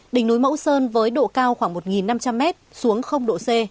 đỉnh núi mẫu sơn với độ cao khoảng một năm trăm linh m xuống độ c